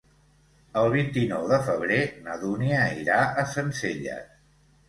El vint-i-nou de febrer na Dúnia irà a Sencelles.